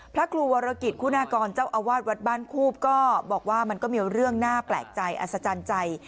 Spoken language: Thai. พระครูวรกิจคุณากรเจ้าอาวาสวัดบ้านคูบก็บอกว่ามันก็มีเรื่องน่าแปลกใจอัศจรรย์ใจ